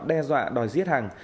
đe dọa đòi giết hằng